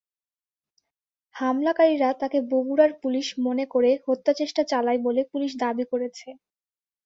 হামলাকারীরা তাঁকে বগুড়ার পুলিশ মনে করে হত্যাচেষ্টা চালায় বলে পুলিশ দাবি করেছে।